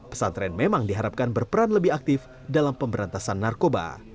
pesantren memang diharapkan berperan lebih aktif dalam pemberantasan narkoba